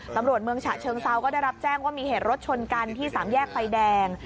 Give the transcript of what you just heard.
เมืองฉะเชิงเซาก็ได้รับแจ้งว่ามีเหตุรถชนกันที่สามแยกไฟแดง